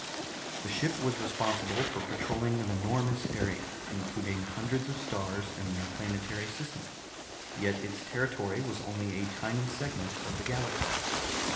The ship was responsible for patrolling an enormous area, including hundreds of stars and their planetary systems yet its territory was only a tiny segment of the galaxy.